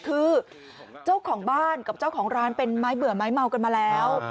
คือเจ้าของบ้านกับเจ้าของร้านเป็นไม้เบื่อไม้เมากันมาแล้ว